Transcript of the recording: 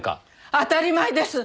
当たり前です。